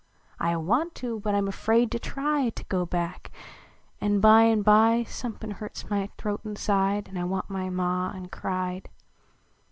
I irant to, but I m fraid to try To go back. .. .An by an by Somepin hurts my throat inside An I want my Ma an cried.